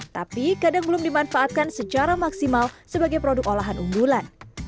tapi kadang belum dimanfaatkan secara maksimal sebagai produk olahan unggulan